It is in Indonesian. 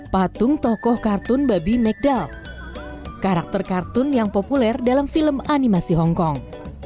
patung tokoh kartun babi mcd karakter kartun yang populer dalam film animasi hongkong